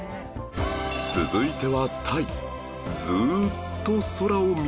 続いてはタイ